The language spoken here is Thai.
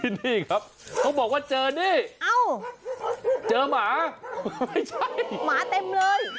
นี่ครับเขาบอกว่าเจอนี่เจอหมาไม่ใช่หมาเต็มเลย